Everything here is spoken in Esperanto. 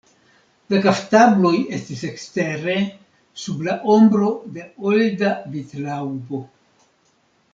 La kaftabloj estis ekstere, sub la ombro de olda vitlaŭbo.